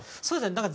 そうですね。